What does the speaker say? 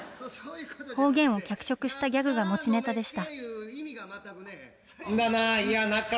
方言を脚色したギャグが持ちネタでした。